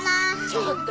ちょっと。